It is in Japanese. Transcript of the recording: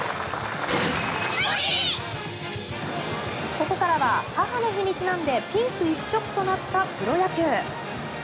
ここからは母の日にちなんでピンク一色となったプロ野球。